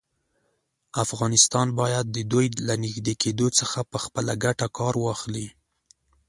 افغانستان باید د دوی له نږدې کېدو څخه په خپله ګټه کار واخلي.